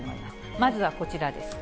まずはこちらです。